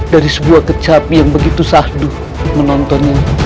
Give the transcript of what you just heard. dari sebuah kecap yang begitu sahduh menontonnya